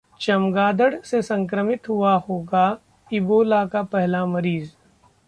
चमगादड़ से संक्रमित हुआ होगा इबोला का पहला मरीज